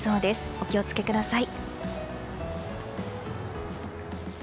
お気を付けください。